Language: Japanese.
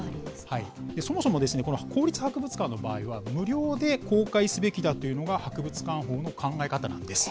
そもそもですね、公立博物館の場合は、無料で公開すべきだというのが博物館法の考え方なんです。